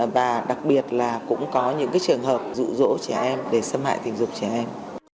và đặc biệt là cũng có những trường hợp rụ rỗ trẻ em để xâm hại tình dục trẻ em